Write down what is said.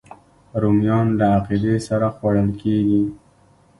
رومیان له عقیدې سره خوړل کېږي